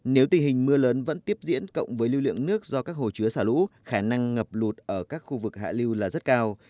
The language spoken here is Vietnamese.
nếu tình hình mưa lớn vẫn tiếp diễn cộng với lưu lượng nước do các hồ chứa xả lũ khả năng ngập lụt ở các khu vực hạ lưu là rất cao